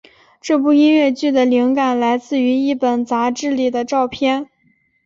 这部音乐剧的灵感来自于一本杂志里的照片。